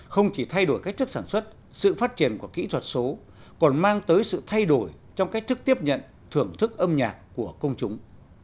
không chỉ thay đổi cách thức sản xuất sự phát triển của kỹ thuật số còn mang tới sự thay đổi trong cách thức tiếp nhận thưởng thức âm nhạc của công chúng